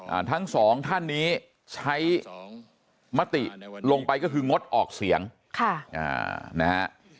อ่าทั้งสองท่านนี้ใช้มติลงไปก็คืองดออกเสียงค่ะอ่านะฮะ